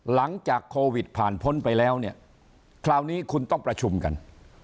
หลังจากโควิดผ่านพ้นไปแล้วเนี่ยคราวนี้คุณต้องประชุมกัน